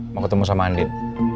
mau ketemu sama andin